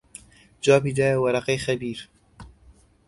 جوابی دایەوە وەرەقەی خەبیر